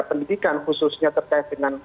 pendidikan khususnya terkait dengan